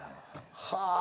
はあ。